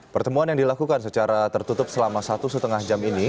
pertemuan yang dilakukan secara tertutup selama satu setengah jam ini